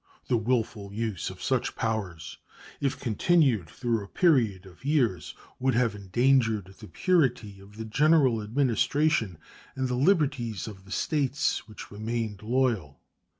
The willful use of such powers, if continued through a period of years, would have endangered the purity of the general administration and the liberties of the States which remained loyal.